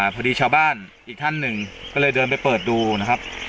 พอดีชาวบ้านอีกท่านหนึ่งก็เลยเดินไปเปิดดูนะครับ